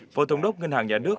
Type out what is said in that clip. phó thống đốc ngân hàng nhà nước